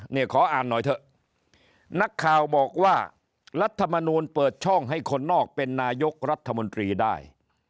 ขออ่านหน่อยเถอะนักข่าวบอกว่ารัฐมนูลเปิดช่องให้คนนอกเป็นนายกรัฐมนตรีได้